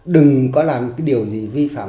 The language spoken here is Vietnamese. đừng có làm cái điều gì vi phạm